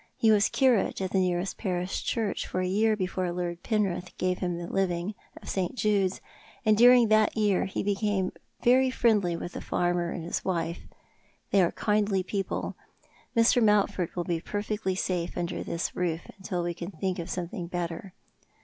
He was curate at the nearest parish church for a year before Lord Penrith gave him the living of St. Jude's, and during that year he became very friendly with the farmer and his wife. They are kindly people. Mr. Mountford will be perfectly safe under this roof till we can think of something better."